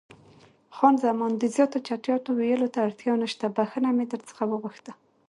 خان زمان: د زیاتو چټیاتو ویلو ته اړتیا نشته، بښنه مې در څخه وغوښتله.